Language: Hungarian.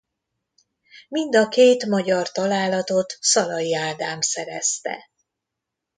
Mind a két magyar találatot Szalai Ádám szerezte.